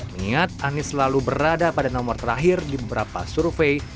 mengingat anies selalu berada pada nomor terakhir di beberapa survei